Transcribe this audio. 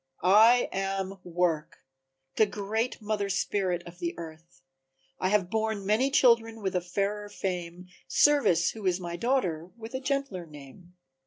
"I am Work, the great Mother Spirit of the earth. I have borne many children with a fairer fame, Service, who is my daughter with a gentler name."